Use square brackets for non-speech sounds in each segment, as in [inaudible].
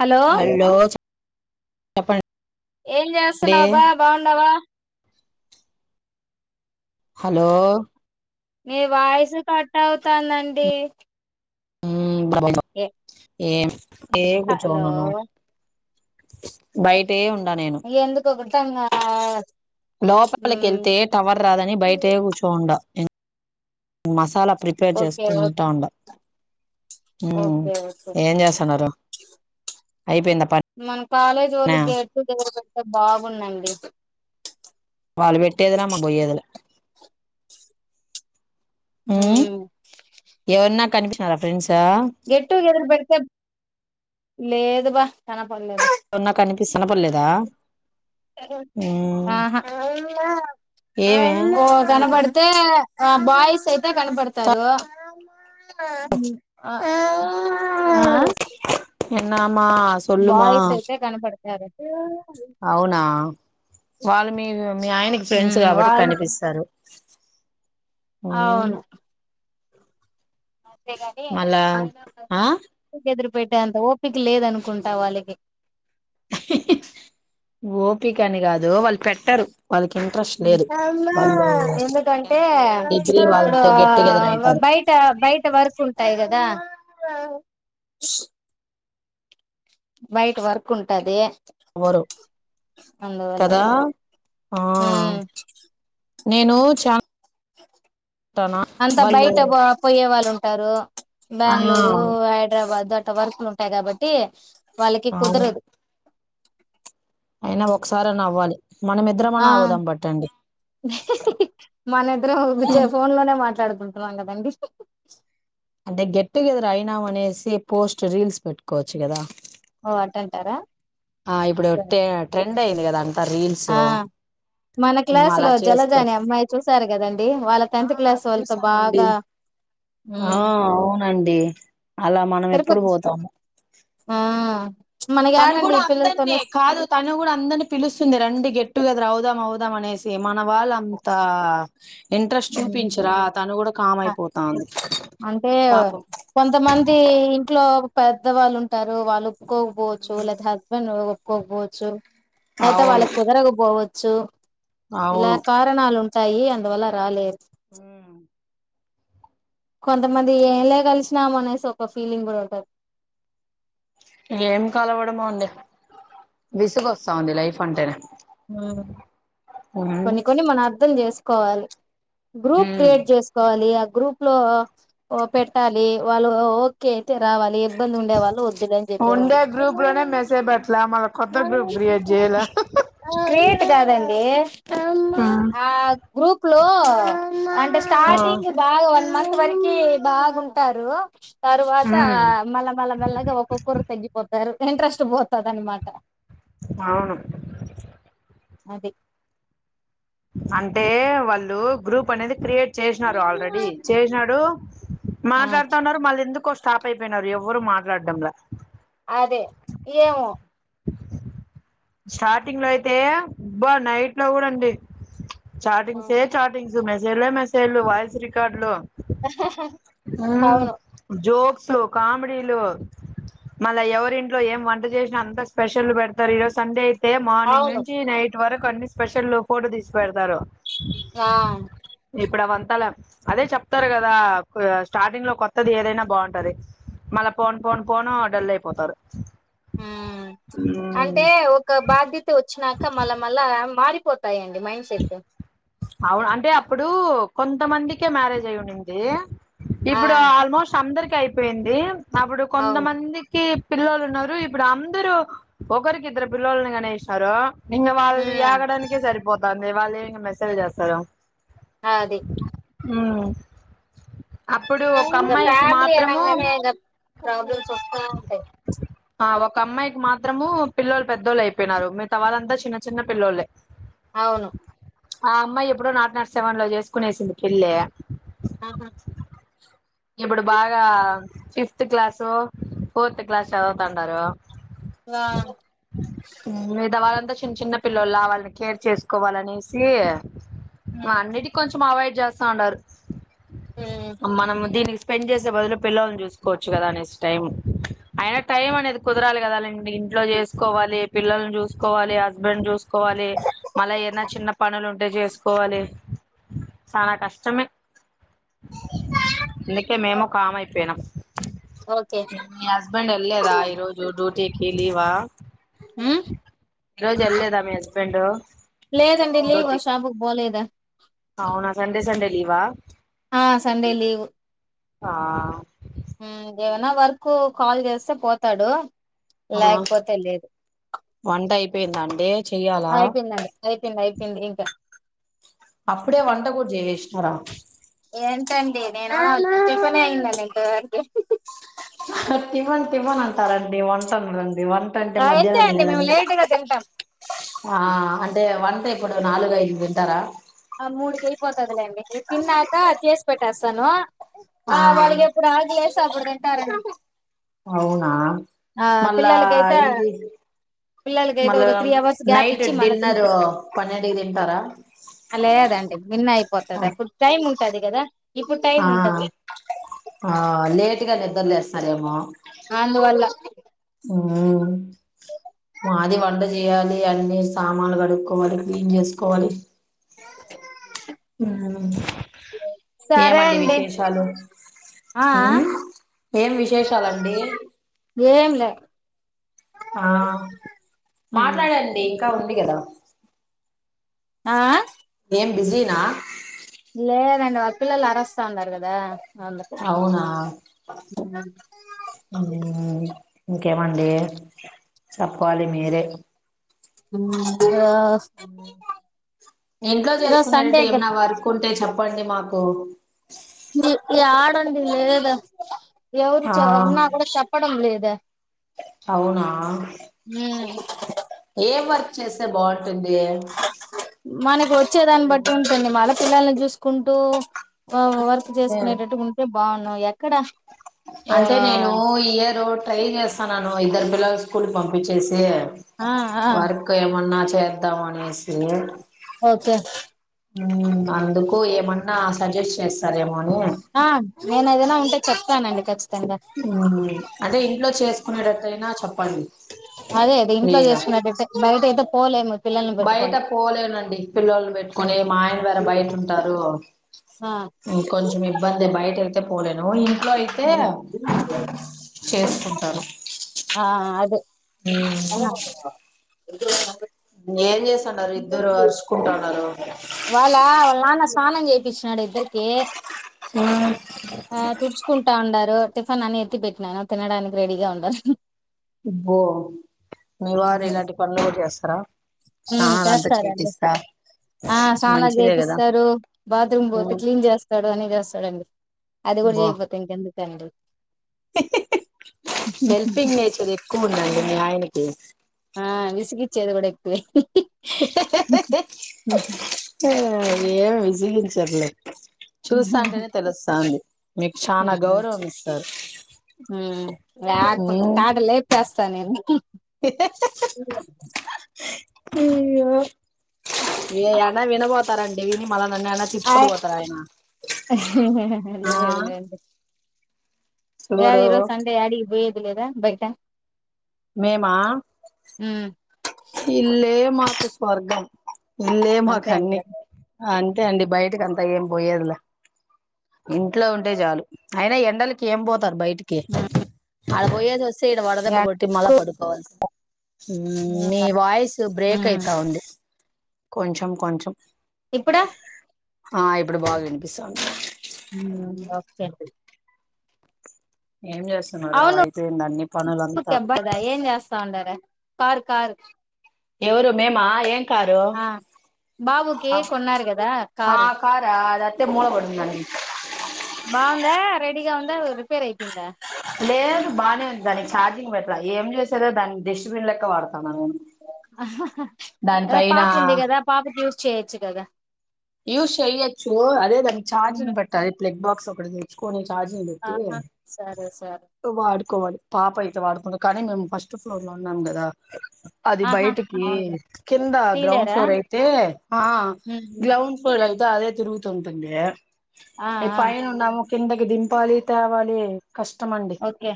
Hello చెప్పండి ఏం చేస్తున్నావబ్బా బాగున్నావా హలో నీ వాయిసు కట్ అవుతాందండి ఏ ఏం ఏ కూర్చోమన్నాను బయటెే ఉంట్ ఎందుకు ఒకట్ తొంగా లోపలకెళ్తే టవర్ రాదని బయటే కూర్చోండ ఇంక్ మసాలా ప్రిపేర్ ఓకే ఓకే చేసుకుంటాండ ఊ ఓకే ఏం చేస్తన్నారు మన కాలేజ్ వోళ్ళు గేట్ టు గెదర్ అ బాగుందండి వాళ్ళు పెట్టేదిలా మా పోయేదిలా ఊ ఎవన్నా కనిపించినారా ఫ్రెండ్స్ ఎవరన్నా గెట్ టు గేదర్ పెడితే లేదు బా కనపడలేదు నాకు కనిపిస్ కనపడ లేదా ఆహ ఏమే ఓ కనపడితే ఆ బాయ్స్ అయితే కనపడతారు ఆ ఎన్నమ్మా సొల్లుమా అయితే కనపడతారు అవునా వాల్ మీరు మీ ఆయనకి ఫ్రెండ్స్ ఉమ్ కాబట్టి వాళ్ళు కనిపిస్తారు ఉమ్ అవును అంతే గాని మళ్ళా గేట్ ఆ టు గెదర్ పెట్టేంత ఓపిక లేదనుకుంటా వాళ్ళకి హి హి ఓపికని కాదు వాళ్ళు పెట్టరు వాళ్ళకి ఇంట్రెస్ట్ లేదు వాళ్ళు ఎందుకంటే టెన్త్ డిగ్రీ వాళ్ళతో గెట్ టుగెదర్ ఇప్పుడు అయితారు బయట బయట వర్క్ ఉంటాయి కదా స్ బయట వర్క్ ఉంటది వోరు అందువల్ల కదా ఆ ఉమ్ నేను చా అంత బయట పో పోయే వాళ్ళు ఉంటారు ఆ బెంగళూరు హైదరాబాద్ వర్క్లు ఉంటాయి కాబట్టి. వాళ్ళకి అవును కుదరదు. అయినా ఒకసారిన్న అవ్వాలి. మనమిద్దరమన్నా అవును అవుదాం పట్టండి మనద్ద్రం ఫోన్ లోనే మాట్లాడు ఉంటారంగబండి. అంటే గెట్టుగెదర్ అయినాం అనేసి పోస్ట్ రీల్స్ పెట్టుకోవచ్చు కదా. ఓ అంటంటారా. ఆ ఇప్పుడు టె ట్రెండ్. అంటే ఏం లేదు కాదాని. మన క్లాసు అలా లో జలజాని చేసుకోవచ్చు అమ్మాయి చూసారు కదండి వాళ్ళ ఆ టెన్త్ క్లాస్ వాళ్ళతో చూసామండి బాగా. అ అలా మనం ఎప్పుడు తిరుపతి పోతామో. ఆ మనకి తను యాడండి కూడా ఈ అందరినీ పిల్లలతోనే స్- కాదు తను కూడా అందరినీ పిలుస్తుంది రండి గెట్టుగెదర్ అవుదు. అవుదాం అనేసి. మన వాళ్ళు అంతా. ఇంట్రెస్ట్ ఉమ్, చూపించరా తను కూడా. కామ్ అయిపోతాంది అంటే పాపం కొంతమంది ఇంట్లో. పెద్దవాళ్ళు ఉంటారు వాళ్ళు. ఒప్పుకోపోచ్చు లేదా హస్బెండ్. కోబోచ్చు. అయితే అవును వాళ్ళకి కుదరకబోవ చ్చు ఇలా అవును కారణాలు ఉంట. సాయి అందువల్ల రాలేదు. కొంతమంది ఎలా కలిసినాము అనేసి ఒక ఫీలింగ్ కూడా ఉంటది. ఏం కలవడమో అండి విసుగు వస్తావుంది లైఫ్ అంటేనే. ఉమ్ కొన్ని కొన్ని మన అర్థం చేసుకోవాలి. గ్రూప్ ఉమ్ క్రియేట్ చేసుకోవాలి. గ్రూప్ లో పెట్టాలి వాళ్ళు ఓకే అయితే రావాలి. ఇబ్బంది ఉండేవాళ్ళు వద్దులే అని చెప్పేవాళ్ళు. ఉండే గ్రూప్ లోనే మెసేజ్ పెట్లా మళ్ళ కొత్త గ్రూప్ క్రియేట్ చేయాల క్రియేట్ కాదండి. ఏఫ్ అమ్మ ఉమ్ ఆ గ్రూప్ లో ఆ స్టార్టింగ్ బాగా వ మంత్ వరికి బాగుంటారు తరువాత ఉమ్ మళ్ళా మళ్ళ మెల్లగా ఒక్కొక్కరు తగ్గిపోతంది సారు ఇంట్రెస్ట్ పోతది అనమాట అవును అది అంటే వాళ్ళు గ్రూప్ అనేది క్రియేట్ చేసినారు ఆల్రెడీ చేసినాడు ఆ మాట్లాడతాండారు మళ్ళ ఎందుకు వస్తు స్టాపై పాయినారు ఎవ్వరు మాట్లాడటం లా అదే ఏమో స్టార్టింగ్ లో అయితే అబ్బా నైట్ లో కూడాండి చాటింగ్ సే చాటింగ్స్ మెసేజ్ లే మెసేజ్లు వాయిస్ రికార్డులు అవును జో లు కామెడీలు మళ్ళా ఎవరింట్లో ఏం వంట చేసినా అంత స్పెషల్ పెడతరు ఈరోజు సండే అయి అయితే మార్నింగ్ అవును నుంచి నైట్ ఇంత వరకు అన్ని స్పెషల్లు ఫోటో తీసిపెడత ఇప్పుడవం చాల అదే చెప్తారు కదా స్టార్టింగ్ లో కొత్తది ఏదైనా బాగుంటది మళ్ళా పోను పోన్ పోను డల్ అయిపోతారు ఉమ్, అంటే ఒక బాకిటు చ్చినాక మళ్ళ మళ్ళ మారి పోతాయండి మైండ్ సెట్ అవును అంటే అప్పుడు కొంతమందికే మ్యారేజ్ అయి ఉన్నింది ఆ ఇప్పుడు ఆల్మోస్ట్ అందరికి కి అయిపోయింది అప్పుడు అవును కొంతమందికి పిల్లలు ఉన్నారు ఇప్పుడు అందరూ ఒకరికి ఇద్దరు పిల్లోలని కనేసినారు ఇక వాళ్ళుని ఉమ్ యాగడానికే సరిపోతాంది వే [unintelligible] త అ అది ఆ ఇక ఫ్యామిలీ అనగానే ఇక ప్రాబ్లమ్స్ వస్తూనే ఉంటాయ్ ఆ ఒక అమ్మాయికి మాత్రము పిల్లలు పెద్దోళ్ళు అయిపోయినారు మీగతా వాళ్ళంతా చిన్న చిన్న పిల్లొల్లే అవును ఆ అమ్మాయి ఎప్పుడో నాట్ నాట్ సెవెన్ లో చేసుకునేసింది పెళ్ళి ఆహా ఇప్పుడు బాగా ఫిఫ్త్ క్లాసో ఫోర్త్ క్లాస్ సదువుతుండరు వా లేదా వాళ్ళంతా చిన్న చిన్న పిల్లోల వాళ్ళని కేర్ చేసుకోవాలనేసి ఉమ్ వానిటి కొంచ్ మావయ్ చేస్తా ఉండడు ఉమ్, అమ్మానమ్ దీనికి స్పెండ్ చేసే బదులో పిల్లోలను చూసుకోవచ్చు కదా అనేస్ టైం అయినా టైం అనేది కుదరాలి కదా ఇంట్లో చేసుకోవాలి పిల్లని చూసుకోవాలి హస్బెండ్ చూసుకోవాలి మళ్ళ ఎన్నో చిన్న పనులు ఉంటాయ్ చేసుకోవాలి చానా కష్టమే అందుకే మేము కామ్ అయిపోయినం ఓకే మీ హస్బెండ్ వెళ్లేదా ఈరోజు డ్యూటీకి లీవా ఉమ్, ఈరోజు వెళ్లేదా మీ హస్బెం పెండో లేదండి లీవ షాపుక్ పోలేద అవునా సండే సండే లీవా ఆ సండే లీవ్ ఆ హుమ్ ఏమైనా వర్కు కాల్ చేస్తే పోతాడు లేకపోతే లేదు పెయింద అండి చెయ్యాలా అయిపోయిందండి అయిపోయింది అయిపోయింది ఇంక అప్పుడే వంట కూడా చేసేసినారా ఏంటండి నేను పే అయ్యిందా అండి ఇంకొకర్ది తివన్ తివన్ అంటారండి వంటన్లు వంట అంటే అంతే మధ్యనం అండి మేము తిన్నదండి లేటుగా తింటాం ఇప్పుడు నాలుగు ఐదు తింటార ఆ మూడికి అయిపోతుందిలేండి వీరు తిన్నాక చేసి పెట్టేస్తను ఆ వాలికెప్పుడు ఆకలేస్ ప్పుడు తింటారండి అవునా ఆ మళ్ళా పిల్లలకైతే ఇది పిల్లలకైతే మళ్ళా ఒక త్రీ అవర్స్ గ్యాప్ నైట్ ఇచ్చి మళ్ళా డిన్నర్ పన్నెండుకి తింటరా అ లేదండి బిన్న అయిపోతది అప్పుడు టైం ఉంటది కదా ఇప్పుడు టైం ఆ ఉంటది అదేమో అందువల్ల మాది వంట జేయాలి అన్ని సామాన్లు కడుక్కోవాలి క్లీన్ చేసుకోవాలి ఉ సరే ఏమండి అండి విశేషాలు ఆ ఊ ఆ ఏం విశేషాలండి ఏం లే ఆ మాట్లాడండి ఇంకా ఉంది గదా ఆ బిజీనా లేదండి వ పిల్లలు అరస్తన్నారు గదా అవునా ఇంకేమండి చెప్పాలి మీరే ఉ ఆ ఈరో సండేగా పండి మాకు యడండి లేదు ఎవరు ఆ చ ఉన్నా కూడా చెప్పడం లేదా అవునా మ్ వర్క్ చేసే బాంటుంది వచ్చే దాన్ని బట్టి ఉంటుంది మళ పిల్లల్ని చూసుకుంటూ వర్క్ చేసుకునేటట్టు ఉంటే బావున్నవ్ ఎక్కడ ఓ అంటే నేను ఇయ ర ట్రై జేస్తన్నాను ఇద్దరు పిల్లలు స్కూల్కి పంపించేసి ఆ ఆ వరక ఏమన్నా పె దావానిశ్ర ఓకే అందుకు ఏమన్నా సజెస్ట్ చేస్త ఆ నేనుదేనా ఉంటే చెప్తానండి ఖచ్చిత ంగ అదే ఇంట్లో చేసుకునేటట్టయినా చెప్పండి అదే దీంట్లో ఫ్రీగా చేసుకున్నటైతే బయట అయితే పోలేము పిల్లల్ని బయట పెట్టుకొని పోలేనండి పిల్లొలని పెట్టుకొని మా ఆయన వేరే బయట ఉంటారు. ఆ కొంచం ఇబ్బందే బయట తే పోలేను ఇం ఇంట్లో అయితే చేసుకుంటాను ఆ అదే ఊ [inaudible] ఏం చేస్తుడారు ఇద్దరు అరుచుకుంటన్నారు? వాళ్ళ వల్ల నాన్న స్నానం చేపించినాడు ఇద్దరికి. [inaudible] ఆ తుడుచుకుంటా ఉండారు. రు టిఫిన్ అన్ని ఎత్తి పెట్టినాను తినడానికి రెడీగా ఉండారు. ఇబ్బో! ! హు స్నానాలు అంతా చేస్తారండి చేపిస్తా ఆ స్నానాలు మంచిదే కదా చేపిస్తారు, బాత్రూమ్ పోతే క్లీన్ చేస్తాడు, అని చేస్తాడండి. అది కూడా బో చేయపోతే ఇంకెందుకు అండి హెల్పింగ్ నేచర్ ఎక్కువ ఉందండి మీ ఆయనకి ఆ విసిగిచ్చేది కూడా ఎక్కువే అ ఆ ఏం విసిగించరులే చూస్తాంటనే తెలుస్తాంది. మీకు చానా హ్మ్ గౌరవం ఇస్తారు హ్మ్ లేకపోతే [unintelligible] త నేను [unintelligible] అయ్యో ఏ అన వినబోతారండి, విని మళ ఆయ్ ఆ లేదు లేండి. ఎ చూడు ఈరోజు సండే యాడికి పోయేది లేదా? బయట మేమా ఉమ్ ఇల్లే మాకు స్వర్గం. ఇల్లే అంతే మాక్అన్ని అంటారు అంతే అండి బయిటికి అం [unintelligible] ఏం పోయేదిలే ఇంట్లో ఉంటే చాలు అయినా ఎండలకి ఏంపోతారు బయట కి ఉమ్ ఆడ పోయేసి వ స్తే ఇడ వడద దెబ్బ కొట్టి మళ పడు హ్మ్ మీ వాయిస్ బ్రేక్ ఉమ్ అయితా ఉంది. కొంచం కొంచం ఇప్పుడు ఆ ఇప్పుడు బాగా వినిపిస్తాంది టంట ఏం జేస్తున్నారు అవును అయిపోయింద అన్ని పనులంతా కార్ కార్ ఎవరు మేమా ఏం కారు ఆ బాబుకి కొన్నారు కదా ఆ కారు కారా అద అత్తే మూలబడున్నది నం ఫ్రీగా వుందా మూల బడిపోయిందా లేదు బానే ఉంది దానికి ఛార్జింగ్ బెట్ల ఏమి చేసారో దాన్ని డస్ట్బిన్ లెక్క వాడుతుంది దాని అదా పైన పాపు ఉంది కదా పాప చూస్త చేయచ్చు కదా యూస్ చెయ్యొచ్చు అదే దానికి ఉమ్ చార్జింగ్ పట్టాలి అదే ప్లెక్ బాక్స్ ఒకటి తెచ్చుకోవచ్చు ఛార్జింగ్ పెట్టి ఆహా సరే సరే వాడుకోవాలి పాప అయితే వాడుకున్న కానీ మేము ఫస్ట్ ఫ్లోర్ లో ఉన్నాం కదా అది ఆహా బయటికి అవునులే కింద గ్రౌండ్ తీలేరా ఫ్లోర్ అయితే ఉమ్ ఉమ్ గ్లౌన్ ఫో అదే తరుగు త ఒన్నంటంట ఆ ఏ ఆ పైను ఉన్నాము కిందకి దింపాలి తేవాలి కష్టం అండి ఓకే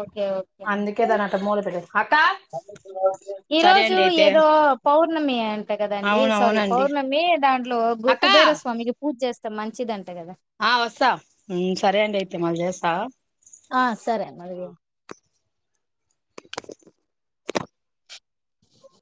ఓకేఓకే అందుకే దాని అట మూల పెట్టేసా అక్క సరే ఈరోజు అండి అయితే ఏదో పౌర్ణమి అంటే కదండి అవును సారీ అవునండి పౌర్ణమి దాంట్లో గు అక్క కుబేరస్వామికి పూజ చేస్తారు మంచిదింటే ఆ వస్తా సరే అండి అయి తే మలి చేస్త ఆ సరే మలి